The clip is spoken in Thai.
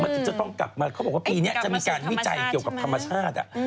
ถึงจะต้องกลับมาเขาบอกว่าปีนี้จะมีการวิจัยเกี่ยวกับธรรมชาติ